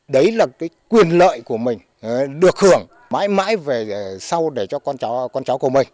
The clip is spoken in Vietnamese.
đấy là cái quyền lợi của mình được hưởng mãi mãi về sau để cho con cháu của mình